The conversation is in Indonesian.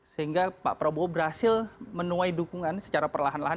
sehingga pak prabowo berhasil menuai dukungan secara perlahan lahan